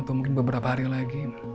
atau mungkin beberapa hari lagi